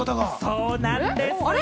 そうなんです。